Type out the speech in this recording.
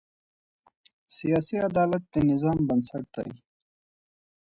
سیاسي عدالت د نظام بنسټ دی